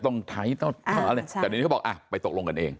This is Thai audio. ต้องไท้ต้องเผาเลยแต่เดี๋ยวนี้เขาบอกไปตกลงกันเอง